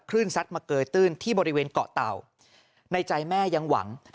ขนึงซัดมาเกยาที่บริเวณเกาะเตาในใจแม่ยังหวัง๕๐๕๐